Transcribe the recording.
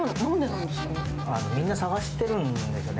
みんな探してるんですよね。